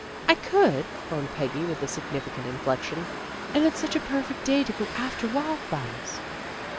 "I could," owned Peggy with a significant inflection. "And it's such a perfect day to go after wild flowers."